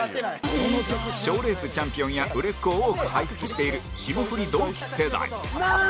賞レースチャンピオンや売れっ子を多く輩出している霜降り同期世代